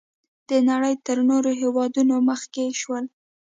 د نړۍ تر نورو هېوادونو مخکې شول.